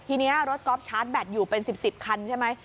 ทีนี้รถก๊อฟชาร์จแบตอยู่เป็น๑๐คันใช่ไหม